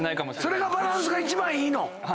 それがバランスが一番いいの？